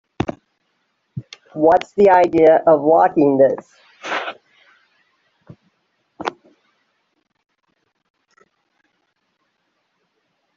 What's the idea of locking this?